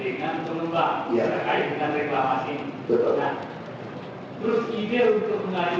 itu banyak yang diindikasi